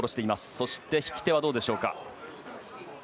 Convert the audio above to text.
そして引き手はどうでしょう。